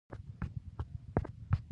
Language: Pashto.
آینسټاین لوی فزیک پوه و